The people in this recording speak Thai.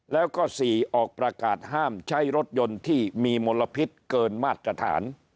แล้วก็๔ออกประกาศห้ามใช้รถยนต์ที่มีมลพิษเกินมาตรฐาน